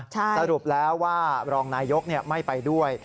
สรุปแล้วว่ารองนายกไม่ไปด้วย